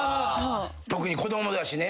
特に子供だしね。